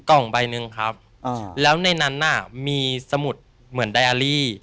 กล่องใบหนึ่งครับอ่าแล้วในนั้นน่ะมีสมุดเหมือนไดอารี่